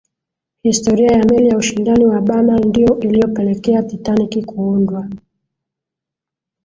historia ya meli ya ushindani wa banal ndiyo iliyopelekea titanic kuundwa